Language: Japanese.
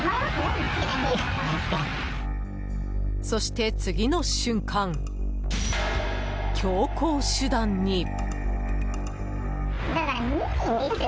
そして次の瞬間、強硬手段に。